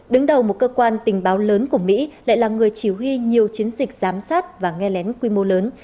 đứng đầu một cơ quan tình báo lớn của mỹ lại là người chỉ huy nhiều chiến dịch giám sát và nghe lén quy mô lớn